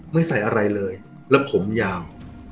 ใส่อะไรเลยแล้วผมยาว